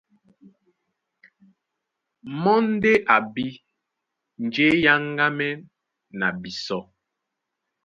Mɔ́ ndé a bí njé é áŋgámɛ́n na bisɔ́.